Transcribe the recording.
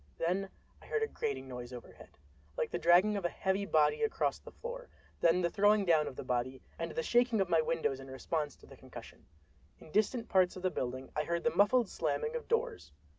—Then I heard a grating noise overhead, like the dragging of a heavy body across the floor; then the throwing down of the body, and the shaking of my windows in response to the concussion. In distant parts of the building I heard the muffled slamming of doors.